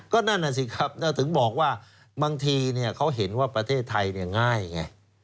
ก็นั่นน่ะสิครับถึงบอกว่าบางทีเขาเห็นว่าประเทศไทยง่ายไง